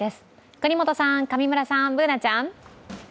國本さん、上村さん、Ｂｏｏｎａちゃん。